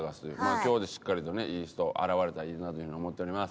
今日でしっかりとねいい人現れたらいいなという風に思っております。